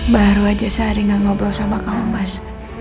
baru aja sehari gak ngobrol sama kamu mas